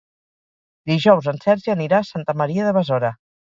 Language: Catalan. Dijous en Sergi anirà a Santa Maria de Besora.